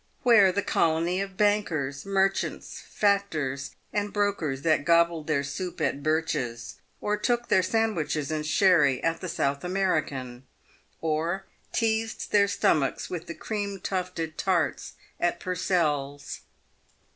— where the colony of bankers, merchants, factors, and brokers that gobbled their soup at Birch's, or took their sandwiches and sherry at the South American, or teased their stomachs with the cream tufted tarts at Purcell's